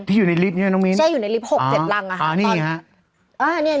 ที่อยู่ในลิฟต์นะเนอะน้องมินใช่อยู่ในลิฟต์๖๗รังอ่อนี่ไงคะ